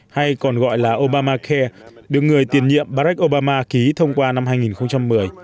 hay còn gọi là obamacare được người tiền nhiệm barack obama ký thông qua năm hai nghìn một mươi